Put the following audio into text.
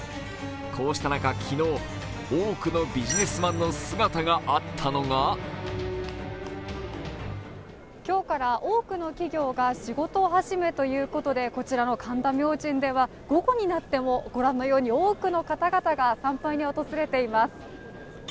こうした中、昨日、多くのビジネスマンの姿があったのが今日から多くの企業が仕事始めということでこちらの神田明神では午後になっても御覧のように多くの方々が参拝に訪れています。